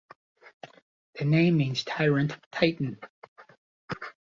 The name means "Tyrant titan".